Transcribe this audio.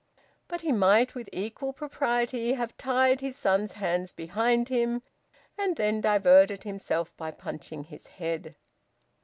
But he might with equal propriety have tied his son's hands behind him and then diverted himself by punching his head.